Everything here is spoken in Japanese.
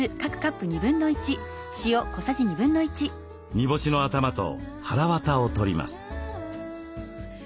煮干しの頭とはらわたを取ります。